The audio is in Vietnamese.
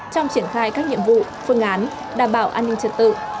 trong triển khai các nhiệm vụ phương án đảm bảo an ninh trật tự